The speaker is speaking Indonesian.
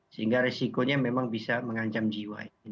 sehingga resikonya memang bisa mengancam jiwa